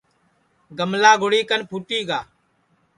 گملا گُڑی کن پھُوٹی گا